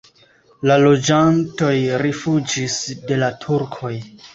La loĝantoj rifuĝis de la turkoj.